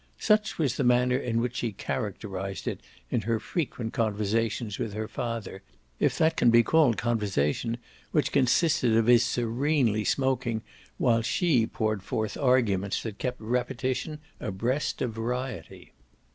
Such was the manner in which she characterised it in her frequent conversations with her father, if that can be called conversation which consisted of his serenely smoking while she poured forth arguments that kept repetition abreast of variety.